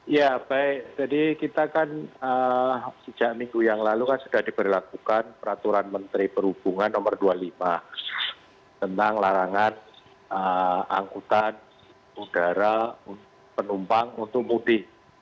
ya baik jadi kita kan sejak minggu yang lalu kan sudah diberlakukan peraturan menteri perhubungan nomor dua puluh lima tentang larangan angkutan udara penumpang untuk mudik